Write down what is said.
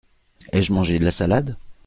Ai-je mangé de la salade ?…